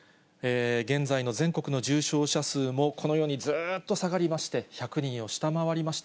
現在の全国の重症者数もこのようにずっと下がりまして、１００人を下回りました。